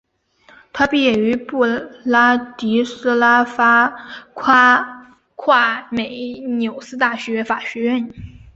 他毕业于布拉迪斯拉发夸美纽斯大学法学院。